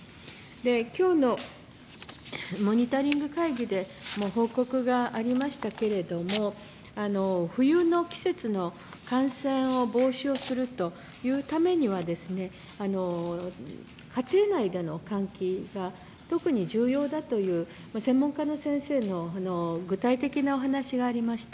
今日のモニタリング会議でも報告がありましたけれど冬の季節の感染を防止するというためには家庭内での換気が特に重要だという専門家の先生の具体的なお話がありました。